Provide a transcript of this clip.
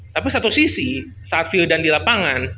tapi satu sisi saat vildan di lapangan